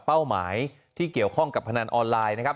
เป้าหมายที่เกี่ยวข้องกับพนันออนไลน์นะครับ